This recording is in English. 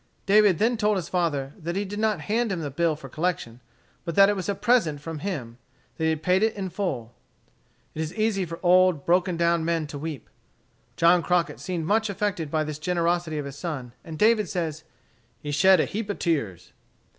David then told his father that he did not hand him the bill for collection, but that it was a present from him that he had paid it in full. It is easy for old and broken down men to weep. John Crockett seemed much affected by this generosity of his son, and David says "he shed a heap of tears."